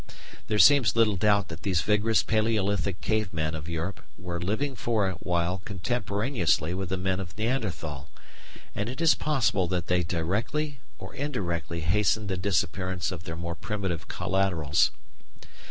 There seems little doubt that these vigorous Palæolithic Cave men of Europe were living for a while contemporaneously with the men of Neanderthal, and it is possible that they directly or indirectly hastened the disappearance of their more primitive collaterals.